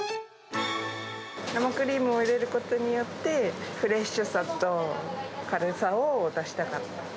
生クリームを入れることによって、フレッシュさと軽さを出したかった。